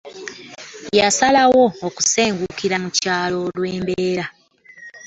Yasalawo okusengukira mu kyalo olw'embeera